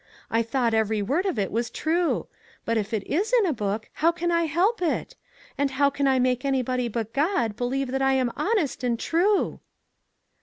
I thought every word of it was true ; but if it is in a book, how can I help it? And how can I make anybody but God believe that I am honest and true?"